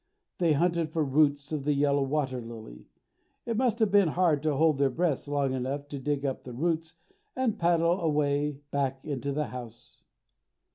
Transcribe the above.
They hunted for roots of the yellow water lily. It must have been hard to hold their breaths long enough to dig up the roots and paddle away back into the house.